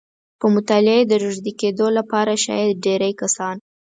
په مطالعې د روږدي کېدو لپاره شاید ډېری کسان